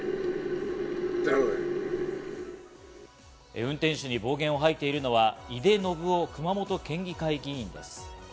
運転手に暴言を吐いているのは井手順雄熊本県議会議員です。